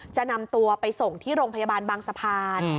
จะนำตัวไปส่งที่โรงพยาบาลบางสะพาน